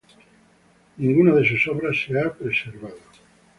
Ninguna de sus obras se ha preservado.